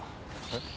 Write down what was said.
えっ？